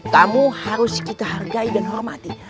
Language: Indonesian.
tamu harus kita hargai dan hormati